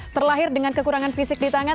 terlahir dengan kekurangan fisik di tangan